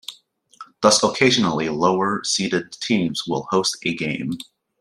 Thus, occasionally, lower seeded teams will host a game.